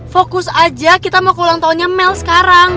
fokus aja kita mau ulang tahunnya mel sekarang